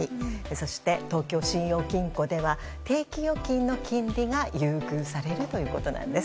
そして、東京信用金庫では定期預金の金利が優遇されるということなんです。